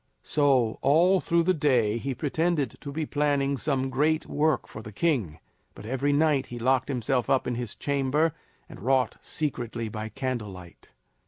So, all through the day he pretended to be planning some great work for the king, but every night he locked himself up in his chamber and wrought secretly by candle light.